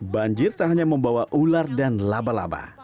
banjir tak hanya membawa ular dan laba laba